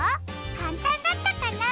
かんたんだったかな？